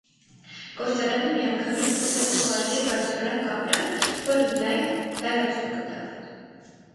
Գործարանը միանգամից սկսեց թողարկել բարձրորակ ապրանք, որը լայն տարածում գտավ։